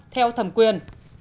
theo thẩm quyền